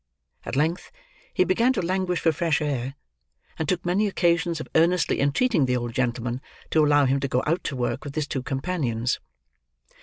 At length, he began to languish for fresh air, and took many occasions of earnestly entreating the old gentleman to allow him to go out to work with his two companions.